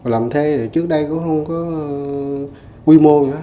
làm thê thì trước đây cũng không có quy mô nữa